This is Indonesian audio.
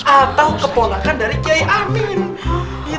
atau keponakan dari kiai amin